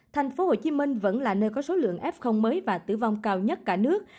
thành phố hồ chí minh vẫn là nơi có số lượng f mới và tử vong cao nhất cả nước